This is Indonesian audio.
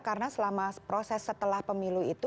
karena selama proses setelah pemilu itu